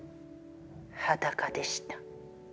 裸でした。